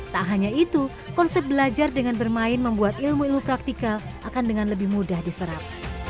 tak hanya itu konsep belajar dengan bermain membuat ilmu ilmu praktikal akan dengan lebih mudah diserap